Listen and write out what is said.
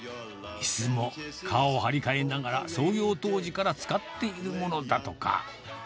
いすも、革を張り替えながら、創業当時から使っているものだとか。